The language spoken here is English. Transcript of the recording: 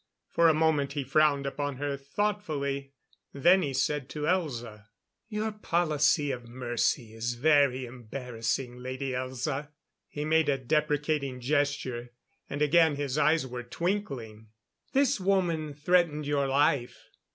For a moment he frowned upon her thoughtfully; then he said to Elza: "Your policy of mercy is very embarrassing, Lady Elza." He made a deprecating gesture, and again his eyes were twinkling. "This woman threatened your life.